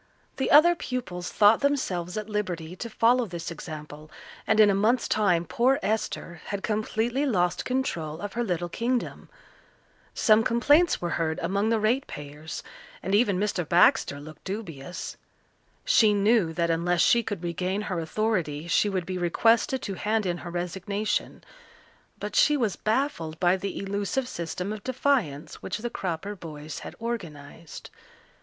The other pupils thought themselves at liberty to follow this example, and in a month's time poor Esther had completely lost control of her little kingdom. Some complaints were heard among the ratepayers and even Mr. Baxter looked dubious. She knew that unless she could regain her authority she would be requested to hand in her resignation, but she was baffled by the elusive system of defiance which the Cropper boys had organized.